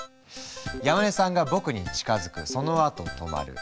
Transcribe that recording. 山根さんが僕に近づくそのあと止まる。